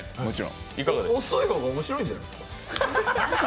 遅い方が面白いんじゃないですか？